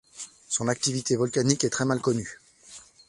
Son activité volcanique est très mal connue.